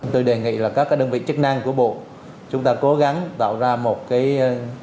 tôi đề nghị là các đơn vị chức năng của bộ chúng ta cố gắng tạo ra một cái